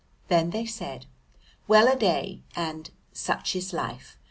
They then said, "Well a day," and "Such is life!"